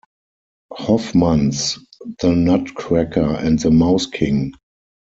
Hoffmann's "The Nutcracker and the Mouse King".